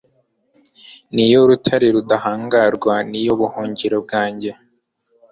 ni yo rutare rudahangarwa, ni yo buhungiro bwanjye